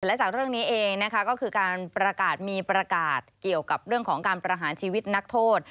และจากเรื่องนี้เองนะคะก็คือการประกาศมีประกาศเกี่ยวกับเรื่องของการประหารชีวิตนักโทษ